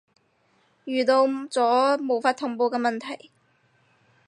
遇到咗無法同步嘅問題